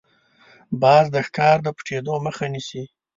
باز د ښکار د پټېدو مخه نیسي